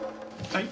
はい。